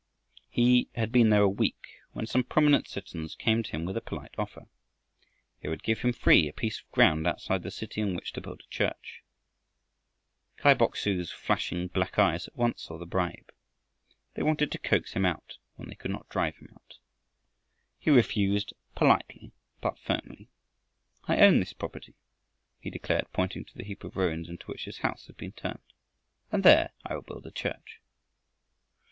He had been there a week when some prominent citizens came to him with a polite offer. They would give him free a piece of ground outside the city on which to build a church. Kai Bok su's flashing black eyes at once saw the bribe. They wanted to coax him out when they could not drive him. He refused politely but firmly. "I own that property," he declared, pointing to the heap of ruins into which his house had been turned, "and there I will build a church."